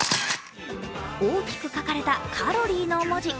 大きく書かれたカロリーの文字。